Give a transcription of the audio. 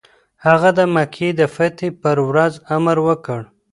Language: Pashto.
هغه د مکې د فتحې پر ورځ امر وکړ.